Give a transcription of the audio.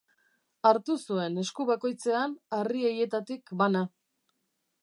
Hartu zuen esku bakoitzean harri haietatik bana.